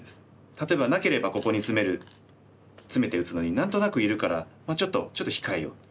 例えばなければここにツメるツメて打つのに何となくいるからちょっと控えよう。